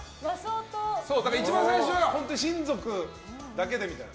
一番最初は親族だけでみたいな。